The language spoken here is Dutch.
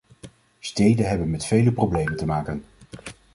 Steden hebben met vele problemen te maken.